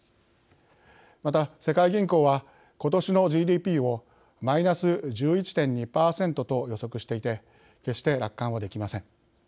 また、世界銀行はことしのＧＤＰをマイナス１１．２％と予測していて決して楽観はできません。